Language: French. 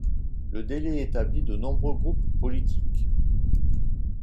Le délai établi de nombreux groupes politiques.